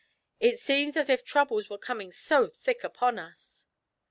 It seems as if troubles were coming so thick upon us."